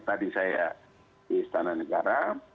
tadi saya di istana negara